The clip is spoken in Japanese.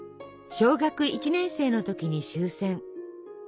小学１年生の時に終戦。